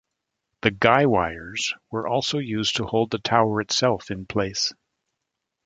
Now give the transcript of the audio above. The guy wires were also used to hold the tower itself in place.